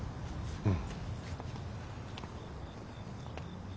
うん。